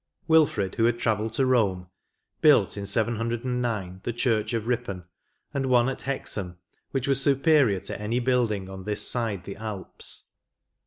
Wilfred, who had travelled to Rome, built in 709 the church of Ripon, and one at Hexham, which was superior to any building on this side the Alps.